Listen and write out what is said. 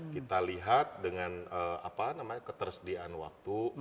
kita lihat dengan apa namanya ketersediaan waktu